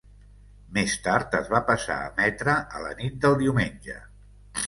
Més tard es va passar a emetre a la nit del diumenge.